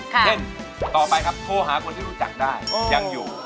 เช่นต่อไปครับโทรหาคนที่รู้จักได้ยังอยู่